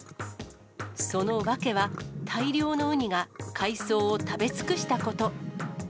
その訳は、大量のウニが海藻を食べ尽くしたこと。